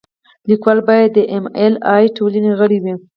لیکوال باید د ایم ایل اې ټولنې غړی وي.